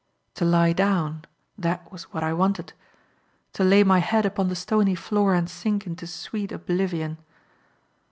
To lie down; that was what I wanted. To lay my head upon the stony floor and sink into sweet oblivion.